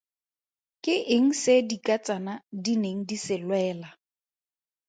Ke eng se dikatsana di neng di se lwela?